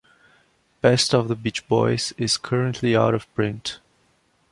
"Best of The Beach Boys" is currently out of print.